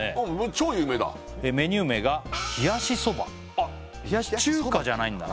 超有名だメニュー名が冷しそば冷やし中華じゃないんだな